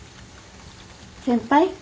先輩。